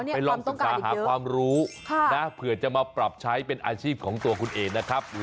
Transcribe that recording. ไปลองรึการเรียนความรู้เผื่อจะมาปรับใช้เป็นอาชีพของตัวคุณเอ็นนะครับ